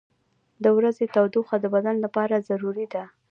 • د ورځې تودوخه د بدن لپاره ضروري ده.